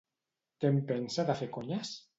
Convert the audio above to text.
Què en pensa de fer conyes?